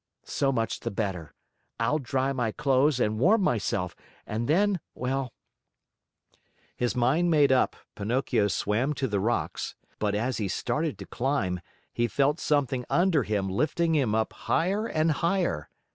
So much the better. I'll dry my clothes and warm myself, and then well " His mind made up, Pinocchio swam to the rocks, but as he started to climb, he felt something under him lifting him up higher and higher.